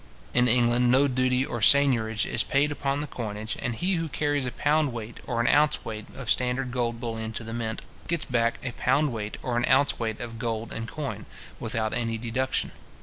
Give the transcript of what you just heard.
In England, no duty or seignorage is paid upon the coinage, and he who carries a pound weight or an ounce weight of standard gold bullion to the mint, gets back a pound weight or an ounce weight of gold in coin, without any deduction.